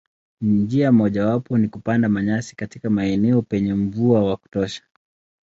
Njia mojawapo ni kupanda manyasi katika maeneo penye mvua wa kutosha.